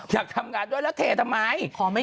อยากทำงานด้วยแล้วเททำไม